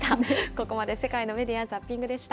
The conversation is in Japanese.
ここまで世界のメディア・ザッピングでした。